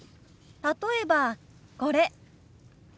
例えばこれ。